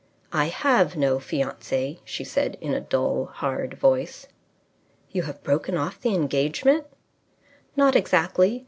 "I have no fiance," she said, in a dull, hard voice. "You have broken off the engagement?" "Not exactly.